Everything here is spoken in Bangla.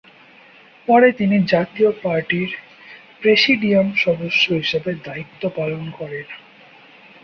পরে তিনি জাতীয় পার্টির প্রেসিডিয়াম সদস্য হিসাবে দায়িত্ব পালন করেন।